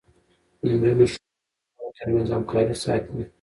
د نجونو ښوونه د خلکو ترمنځ همکاري ساتي.